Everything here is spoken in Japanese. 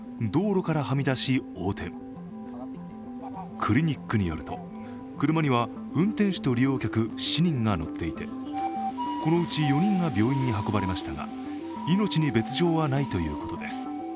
クリニックによると、車には運転手と利用客７人が乗っていて、このうち４人が病院に運ばれましたが、命に別状はないということです